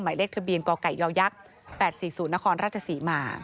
ใหม่เล็กทะเบียนกไก่เยายักษ์๘๔๐นครราชศรีมา